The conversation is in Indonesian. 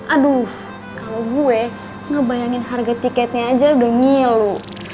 aduh kalau gue ngebayangin harga tiketnya aja udah ngilu